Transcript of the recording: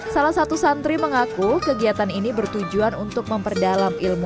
salah satu santri mengaku kegiatan ini bertujuan untuk memperdalam ilmu